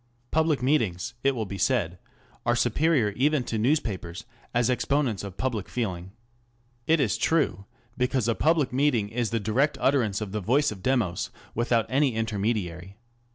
Public meetings, it will be said, are superior even to newspapers as exponents of public feeling. It is true, because a public meeting is the direct utterance of the voice of Demos without any intermediary.